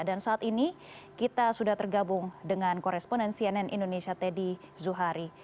dan saat ini kita sudah tergabung dengan koresponen cnn indonesia teddy zuhari